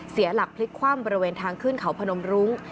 เสียหลักพลิกคว่ำบริเวณทางขึ้นเขาพนมรุ้ง